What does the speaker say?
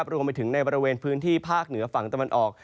รวมไปถึงในบริเวณพื้นที่ภาคเหนือฝั่งตะวันออก